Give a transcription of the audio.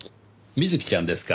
美月ちゃんですか。